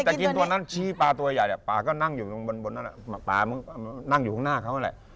แต่กินตัวนั้นชี้ปลาตัวใหญ่ปลาก็นั่งอยู่ตรงบนนั้นปลามันก็นั่งอยู่ข้างหน้าเขาแหละ